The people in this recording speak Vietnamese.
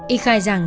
y khai rằng